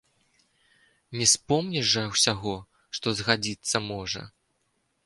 Не спомніш жа ўсяго, што згадзіцца можа.